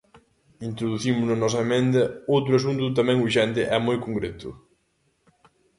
Introducimos na nosa emenda outro asunto tamén urxente e moi concreto.